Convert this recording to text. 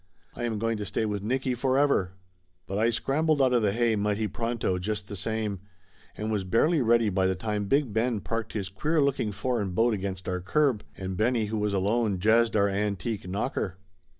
"I am going to stay with Nicky forever !" But I scrambled out of the hay mighty pronto, just the same, and was barely ready by the time Big Ben parked his queer looking foreign boat against our curb, and Benny, who was alone, jazzed our antique knocker.